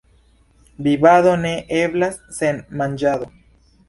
Vivado ne eblas sen manĝado.